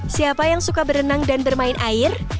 siapa yang suka berenang dan bermain air